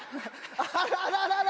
あらららら。